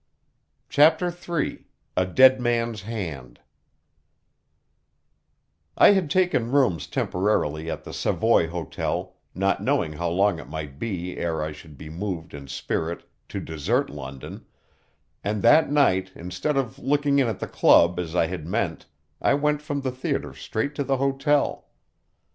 CHAPTER III A Dead Man's Hand I had taken rooms temporarily at the Savoy Hotel, not knowing how long it might be ere I should be moved in spirit to desert London; and that night, instead of looking in at the club as I had meant, I went from the theatre straight to the hotel.